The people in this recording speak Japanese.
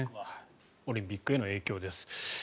オリンピックへの影響です。